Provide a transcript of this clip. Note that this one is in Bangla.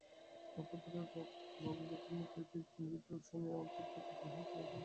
নক্ষত্ররায় রঘুপতির মুখে এই তীব্র বিদ্রূপ শুনিয়া অত্যন্ত কাতর হইয়া পড়িলেন।